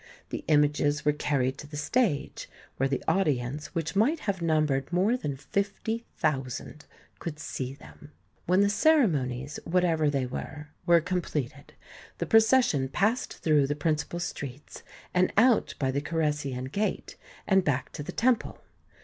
The images were carried to the stage where the audience, which might have numbered more than fifty thousand, could see them. When the ceremonies, whatever they were, were com pleted, the procession passed through the princi pal streets and out by the Coressian gate and back to the temple.